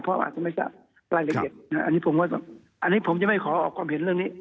เพราะอาจจะไม่ทราบรายละเอียดนะอันนี้ผมก็อันนี้ผมจะไม่ขอออกความเห็นเรื่องนี้